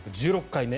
１６回目。